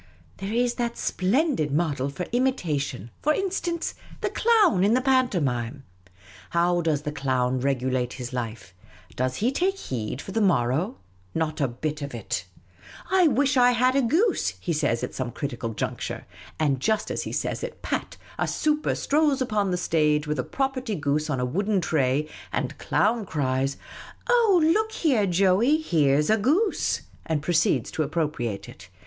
There is that splendid model for imitation, for in stance, the Clown in the pantomime. How does Clown regulate his life ? Does he take heed for the morrow ? Not a bit of it !* I wish I had a goose,' he says, at some critical juncture ; and just as he says it — pat — a super strolls upon the stage with a property goose on a wooden tray ; and Clown cries, ' Oh, look here, Joey ; here 's a goose !' and The Unobtrusive Oasis 179 proceeds to appropriate it.